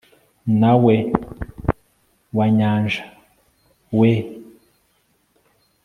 nawe wa nyanjak we